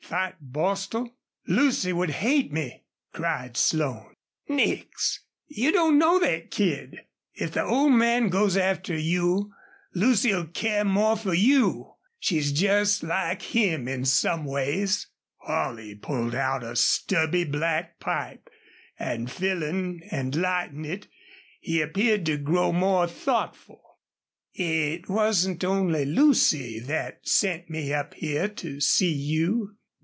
"Fight Bostil? ... Lucy would hate me!" cried Slone. "Nix! You don't know thet kid. If the old man goes after you Lucy'll care more fer you. She's jest like him in some ways." Holley pulled out a stubby black pipe and, filling and lighting it, he appeared to grow more thoughtful. "It wasn't only Lucy thet sent me up here to see you.